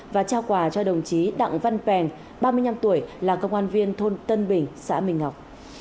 và trao quà cho đồng chí đặng văn pèn ba mươi năm tuổi là công an viên thôn tân bình xã minh ngọc